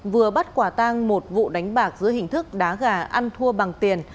vừa bắt quả tang một vụ đánh bạc giữa hình thức đá gà ăn thua bằng tiền